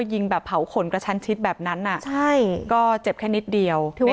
จนใดเจ้าของร้านเบียร์ยิงใส่หลายนัดเลยค่ะ